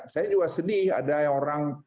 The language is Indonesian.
saya juga sedih ada orang